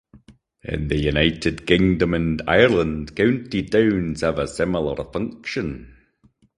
In the United Kingdom and Ireland, county towns have a similar function.